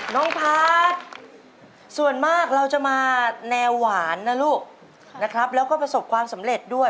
น้องพัฒน์ส่วนมากเราจะมาแนวหวานนะลูกนะครับแล้วก็ประสบความสำเร็จด้วย